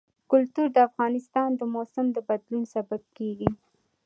کلتور د افغانستان د موسم د بدلون سبب کېږي.